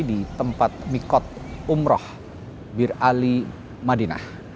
di tempat mikot umroh bir ali madinah